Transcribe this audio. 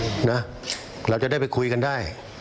ขอเตือนไว้นะจะคบจะค้าหรือจะสมาคมกับคนพวกนี้ขอให้คิดให้ดี